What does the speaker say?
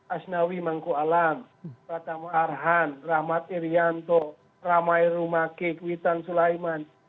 asnawi mangko alam pratama arhan rahmat irianto ramai rumake kuitan sulaiman